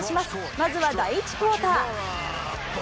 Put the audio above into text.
まずは第１クオーター。